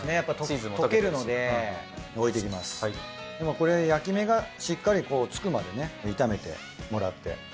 これ焼き目がしっかりつくまでね炒めてもらって。